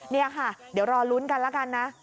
นี่ค่ะเดี๋ยวรอลุ้นกันแล้วกันนะ